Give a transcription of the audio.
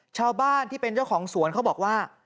ชาวบ้านที่เป็นเจ้าของสวนเขาบอกว่า